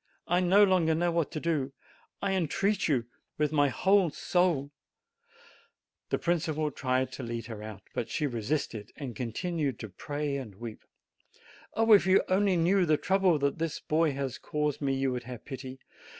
I no longer know what to do! I entreat you with my whole soul!" FRANTI'S MOTHER 113 The principal tried to lead her out, but she resisted, still continuing to pray and to weep. "Oh, if you only knew the trouble that this boy has caused me, you would have pity!